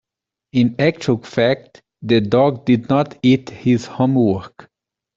In actual fact, the dog did not eat his homework.